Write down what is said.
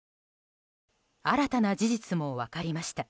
新たな事実も分かりました。